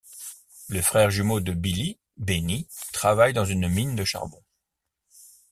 Le frère jumeau de Billy, Benny, travaille dans une mine de charbon.